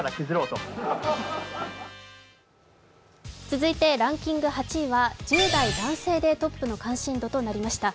続いてランキング８位は、１０代男性でトップの関心度となりました。